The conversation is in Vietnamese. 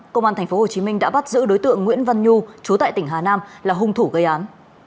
công an tp hcm đã bắt giữ đối tượng nguyễn văn nhu chú tại tỉnh hà nam là hung thủ gây án